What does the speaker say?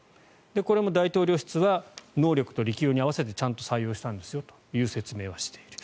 これも大統領室は能力と力量に合わせてちゃんと採用したんですよという説明をしている。